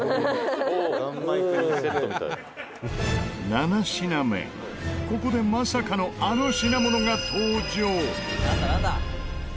７品目、ここでまさかのあの品物が登場！